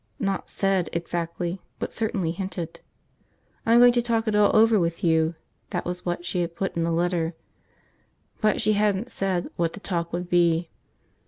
Not said, exactly, but certainly hinted. I'm going to talk it all over with you, that was what she had put in the letter. But she hadn't said when the talk would be.